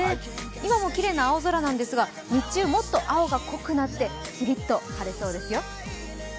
今もきれいな青空なんですが、日中もっと青が濃くなってきりっと晴れそうですよ。